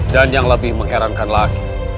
dan yang lebih mengherankan lagi